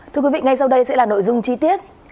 thưa quý vị ngay sau đây sẽ là nội dung chi tiết